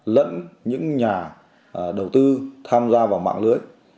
lẫn những nhà đầu tư tham gia vào mạng lưới